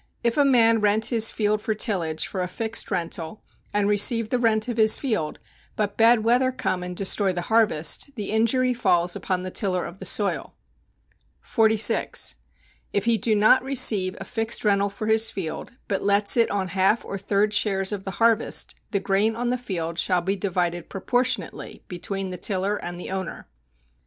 If a man rent his field for tillage for a fixed rental, and receive the rent of his field, but bad weather come and destroy the harvest, the injury falls upon the tiller of the soil. 46. If he do not receive a fixed rental for his field, but lets it on half or third shares of the harvest, the grain on the field shall be divided proportionately between the tiller and the owner.